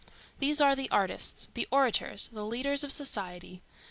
These are the artists, the orators, the leaders of society.